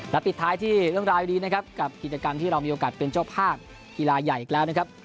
และปิดท้ายที่เรื่องราวดีนะครับกับกิจกรรมที่เรามีโอกาสเป็นเจ้าภาพกีฬาใหญ่อีกแล้วนะครับ